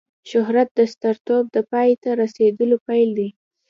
شهرت د سترتوب د پای ته رسېدلو پیل دی.